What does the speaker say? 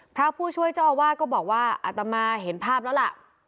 พระผู้ช่วยเจ้าอาวาสก็บอกว่าอัตมาเห็นภาพแล้วล่ะ